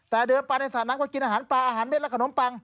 แต่เดินไปในสระนักว่ากินอาหารปลาอาหารเม็ดและขนมปัง